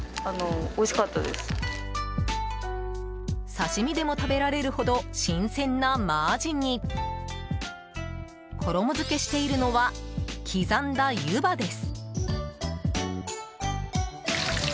刺し身でも食べられるほど新鮮なマアジに衣付けしているのは刻んだ湯葉です。